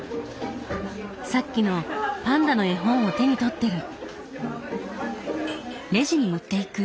さっきのパンダの絵本を手に取ってる！